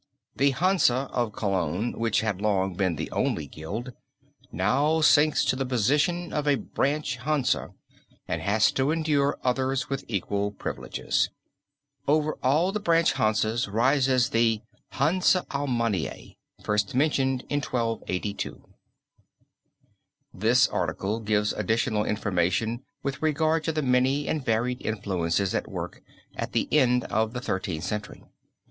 The Hansa of Cologne, which had long been the only guild, now sinks to the position of a branch Hansa, and has to endure others with equal privileges. Over all the branch Hansas rises the "Hansa Alamanniae," first mentioned in 1282. This article gives additional information with regard to the many and varied influences at work at the end of the Thirteenth Century.